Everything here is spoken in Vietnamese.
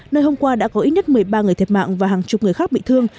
nơi hôm qua đã có ít nhất một mươi ba người thiệt mạng và hàng chục người khác bị thương